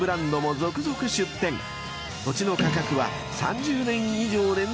［土地の価格は３０年以上連続で日本一に］